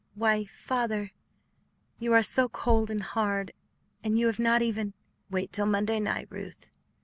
"Why, Father, you are so cold and hard, and you have not even " "Wait till Monday night, Ruth.